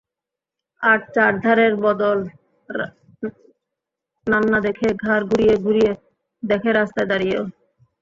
আর চারধারের বদল নান্না দেখে ঘাড় ঘুরিয়ে ঘুরিয়ে; দেখে রাস্তায় দাঁড়িয়েও।